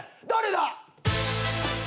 誰だ？